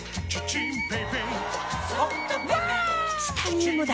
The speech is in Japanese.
チタニウムだ！